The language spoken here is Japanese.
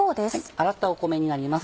洗った米になります。